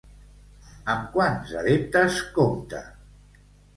Amb quants adeptes compta?